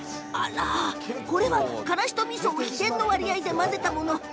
これは、からしとみそを秘伝の割合で混ぜたもの。